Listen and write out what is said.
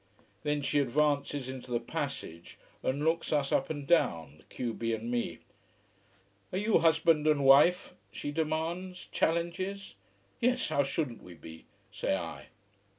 Then she advances into the passage and looks us up and down, the q b and me. "Are you husband and wife?" she demands, challenge. "Yes, how shouldn't we be," say I.